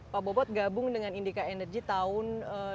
pak bobot gabung dengan indika energy tahun dua ribu